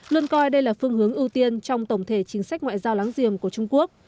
luôn coi đây là phương hướng ưu tiên trong tổng thể chính sách ngoại giao láng giềng của trung quốc